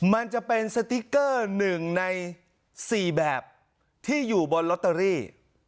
มันจะเป็นสติ๊กเกอร์๑ใน๔แบบที่อยู่บนลอตเตอรี่